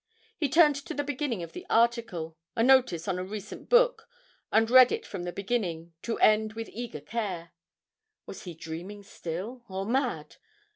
He turned to the beginning of the article, a notice on a recent book, and read it from beginning to end with eager care. Was he dreaming still, or mad?